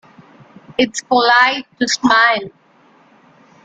It's polite to smile.